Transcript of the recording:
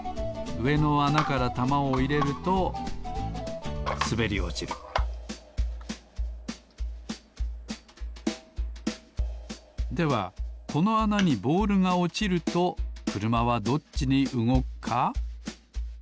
うえのあなからたまをいれるとすべりおちるではこのあなにボールがおちるとくるまはどっちにうごくか？